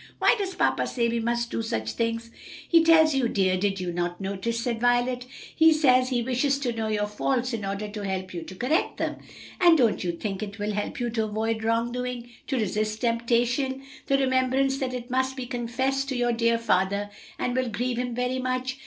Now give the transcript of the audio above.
"Why does papa say we must do such things?" "He tells you, dear; did you not notice?" said Violet. "He says he wishes to know your faults in order to help you to correct them. And don't you think it will help you to avoid wrongdoing? to resist temptation? the remembrance that it must be confessed to your dear father and will grieve him very much?